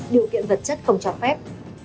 điều kiện vật chất không cho phép